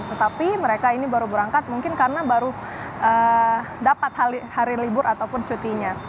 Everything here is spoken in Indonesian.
tetapi mereka ini baru berangkat mungkin karena baru dapat hari libur ataupun cutinya